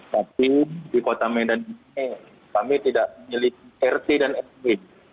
tapi di kota medan ini kami tidak memiliki rt dan rw